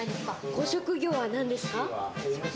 ご職業は何ですか？